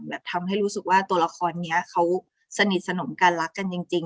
ทำให้รู้สึกว่าตัวละครนี้เขาสนิทสนมกันรักกันจริง